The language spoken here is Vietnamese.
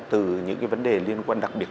từ những vấn đề liên quan đặc biệt